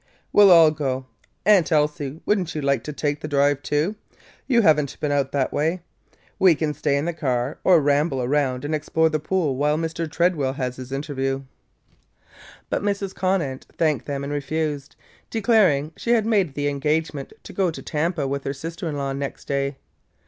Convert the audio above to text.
We 'll all go. Aunt Elsie, would n't you like to take the drive too? You have n't been out that way. We can stay in the car or ramble around and explore the pool while Mr. Tredwell has his interview." But Mrs. Conant thanked them and refused, declaring she had made the engagement to go to Tampa with her sister in law next day.